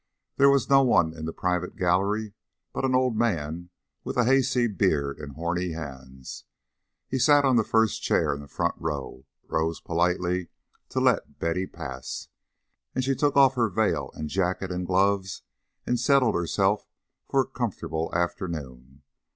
There was no one in the private gallery but an old man with a hayseed beard and horny hands. He sat on the first chair in the front row, but rose politely to let Betty pass; and she took off her veil and jacket and gloves and settled herself for a comfortable afternoon.